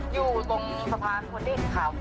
อยู่ตรงสะพานหัวดินครับ